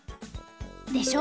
でしょ！